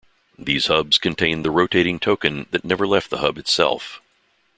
These hubs contained the rotating token that never left the hub itself.